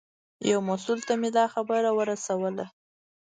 یو مسوول ته مې دا خبره ورسوله.